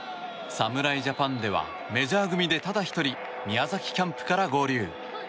侍ジャパンではメジャー組でただ１人宮崎キャンプから合流。